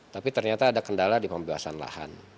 tapi ternyata ada kendala di pembebasan lahan